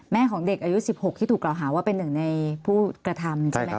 ของเด็กอายุ๑๖ที่ถูกกล่าวหาว่าเป็นหนึ่งในผู้กระทำใช่ไหมครับ